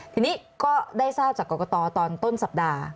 ทีนี้ก็ได้ทราบจากกรกตตอนต้นสัปดาห์